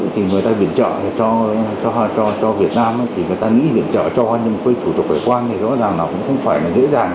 thì người ta hạ viện trợ cho việt nam thì người ta nghĩ hạ viện trợ cho hoa nhân quyền thủ tục hải quan thì rõ ràng là cũng không phải là dễ dàng